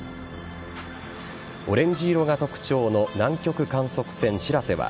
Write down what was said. オレンジ色が特徴の南極観測船「しらせ」は